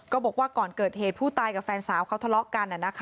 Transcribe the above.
บอกว่าก่อนเกิดเหตุผู้ตายกับแฟนสาวเขาทะเลาะกัน